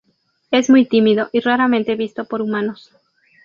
Es muy tímido, y raramente visto por humanos.